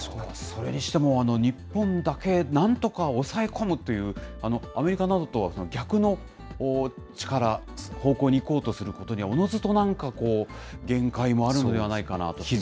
それにしても日本だけ、なんとか抑え込むという、アメリカなどとは逆の力、方向に行こうとすることにはおのずとなんか限界もあるのではないかなと。